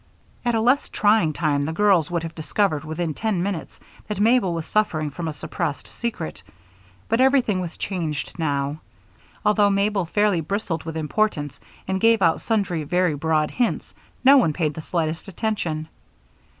At a less trying time the girls would have discovered within ten minutes that Mabel was suffering from a suppressed secret; but everything was changed now. Although Mabel fairly bristled with importance and gave out sundry very broad hints, no one paid the slightest attention.